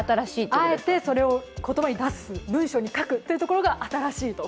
あえてそれを言葉に出す文章に書くというのが新しいと。